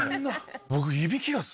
僕。